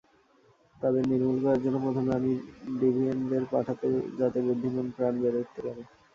তাদের নির্মুল করার জন্য প্রথমে আমি ডিভিয়েন্টদের পাঠাই যাতে বুদ্ধিমান প্রাণ বেড়ে উঠতে পারে।